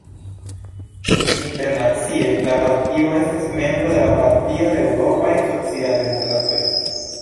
Internacie, la partio estas membro de la Partio de Eŭropaj Socialdemokratoj.